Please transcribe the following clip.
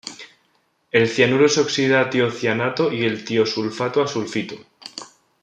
El cianuro se oxida a tiocianato y el tiosulfato a sulfito.